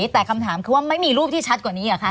แต่คำถามคือว่าไม่มีรูปที่ชัดกว่านี้เหรอคะ